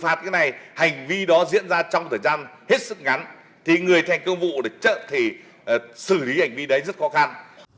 nếu mà xử phạt cái này hành vi đó diễn ra trong thời gian hết sức ngắn thì người thành công vụ trợ thì xử lý hành vi đấy rất khó khăn